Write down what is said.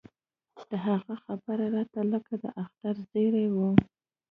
د هغه خبره راته لکه د اختر زېرى و.